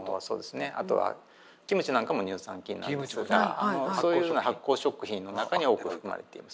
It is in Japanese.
あとはキムチなんかも乳酸菌なんですがそういうような発酵食品の中に多く含まれています。